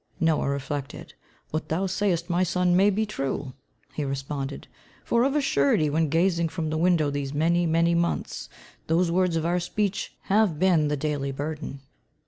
Noah reflected. "What thou sayest, my son, may be true," he responded, "for of a surety when gazing from the window these many, many months, those words of our speech have been the daily burden.